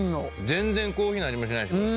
全然コーヒーの味もしないしこれ。